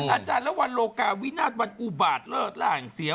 อาจารย์และวันโลกาวินาศวันอุบาตเลิศร่างเสีย